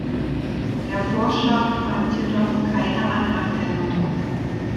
Der Vorschlag fand jedoch keine Anerkennung.